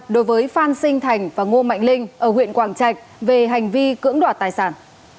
đối với phan sinh thành và ngô mạnh linh ở huyện quảng trạch về hành vi cưỡng đoạt tài sản